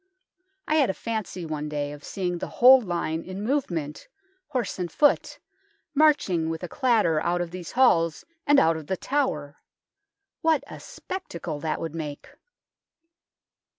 I had a fancy one day of seeing the whole line in movement, horse and foot, marching with a clatter out of these halls and out of The Tower. What a spectacle that would make